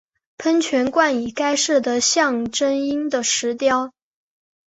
喷泉冠以该市的象征鹰的石雕。